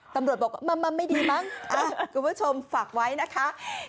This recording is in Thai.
ตำรวจบอกว่ามันไม่ดีมั้งคุณผู้ชมฝากไว้นะคะ